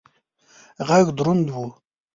غږ دروند و.